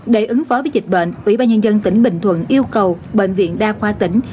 để ứng phó với dịch bệnh ủy ban nhân dân tỉnh bình thuận yêu cầu bệnh viện đa khoa tỉnh